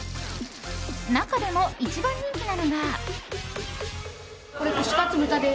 中でも一番人気なのが。